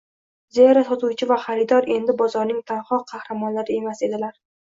Zero sotuvchi va xaridor endi bozorning tanho qahramonlari emas edilar –